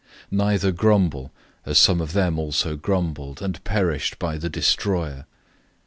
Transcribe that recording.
010:010 Neither grumble, as some of them also grumbled, and perished by the destroyer.